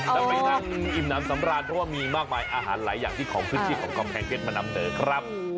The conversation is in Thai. แล้วไปนั่งอิ่มน้ำสำราญเพราะว่ามีมากมายอาหารหลายอย่างที่ของพื้นที่ของกำแพงเพชรมานำเสนอครับ